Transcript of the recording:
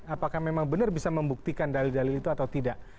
apakah memang benar bisa membuktikan dalil dalil itu atau tidak